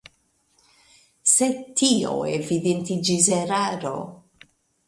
Sed tio evidentiĝis eraro.